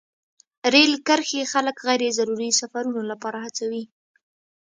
رېل کرښې خلک غیر ضروري سفرونو لپاره هڅوي.